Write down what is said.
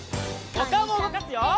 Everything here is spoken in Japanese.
おかおもうごかすよ！